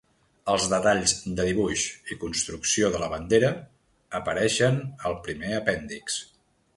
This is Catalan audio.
Els detalls de dibuix i construcció de la bandera apareixen al primer apèndix.